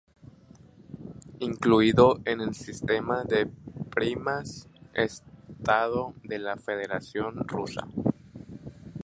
Incluido en el sistema de primas estado de la Federación Rusa.